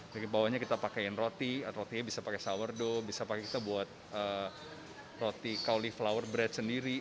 jadi bawahnya kita pakai roti rotinya bisa pakai sourdough bisa kita pakai buat roti cauliflower bread sendiri